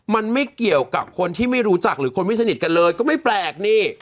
มันไม่เกี่ยวกับคนที่ไม่รู้จักหรือคนไม่สนิทกันเลยก็ไม่แปลกนี่